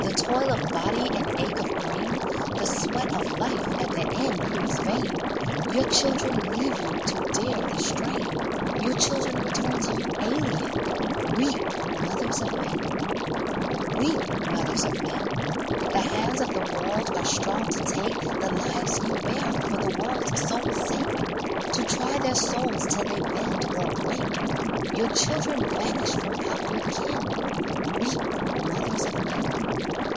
The toil of body and ache of brain, The sweat of life at the end proves vain ; Your children leave you to dare the strain, Your children return to you alien Weep, mothers of men ! 44 MOTHERS OF MEN Weep, mothers of men ! The hands of the world are strong to take The lives ye bear for the world's sole sake, To try their souls till they bend or break : Your children vanish from out your ken Weep, mothers of men